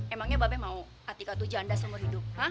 emangnya babe mau atika tuh janda seumur hidup ha